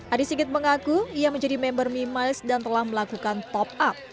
adi sigit mengaku ia menjadi member memiles dan telah melakukan top up